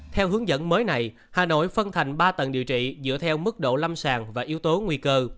theo hướng dẫn mới này hà nội phân thành ba tầng điều trị dựa theo mức độ lâm sàng và yếu tố nguy cơ